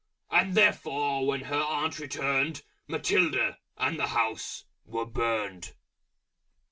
And therefore when her Aunt returned, Matilda, and the House, were Burned.